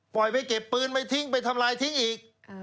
ไปเก็บปืนไปทิ้งไปทำลายทิ้งอีก